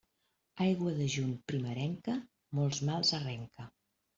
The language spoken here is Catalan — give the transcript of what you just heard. Aigua de juny primerenca, molts mals arrenca.